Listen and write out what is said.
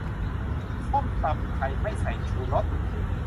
ส้มตำไทย ไม่ใส่ชูรส